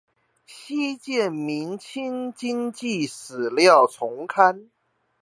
稀見明清經濟史料叢刊